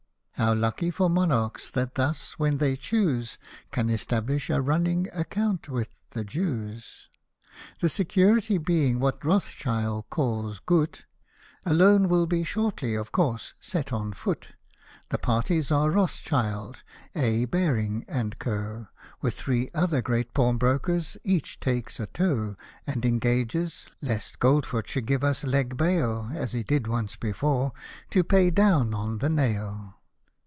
(How lucky for monarchs, that thus, when they choose. Can establish a run7iing account with the Jews !) The security being what Rothschild calls " goot," A loan will be shortly, of course, set on foot j The parties are Rothschild, A. Baring & Co. With three other great pawnbrokers : each takes a toe. And engages (lest Gold foot should give us /^^ bail. As he did once before) to pay down 07i the nail.